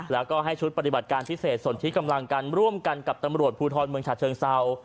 แล้วก็ให้ชุดปฏิบัติการพิเศษส่วนที่กำลังกันร่วมกันกับตำรวจภูทรเมืองฉะเชิงเศร้า